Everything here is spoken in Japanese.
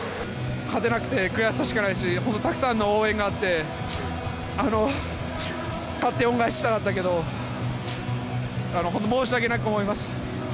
勝てなくて悔しさしかないですし、本当たくさんの応援があって、勝って恩返ししたかったけど、本当、申し訳なく思います。